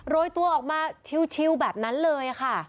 โรยตัวออกมาชิวแบบนั้นเลยค่ะ